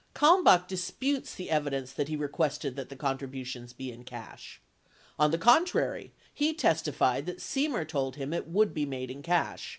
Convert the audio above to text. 63 Kalmbach disputes the evidence that he requested that the contribu tion be in cash. On the contrary, he testified that Semer told him it would be made in cash.